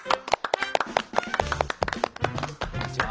こんにちは。